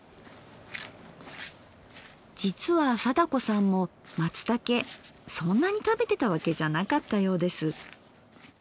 実は貞子さんも松茸そんなに食べてたわけじゃなかったようです。